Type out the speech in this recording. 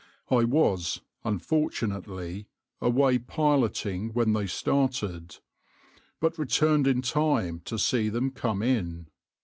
I was, unfortunately, away piloting when they started, but returned in time to see them come in.